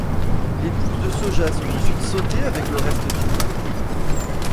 Les pousses de soja sont ensuite sautées avec le reste du plat.